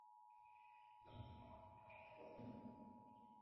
Octahedrites derive their name from the crystal structure paralleling an octahedron.